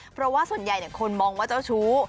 เพราะว่าส่วนใหญ่คนมองว่าเจ้าชู้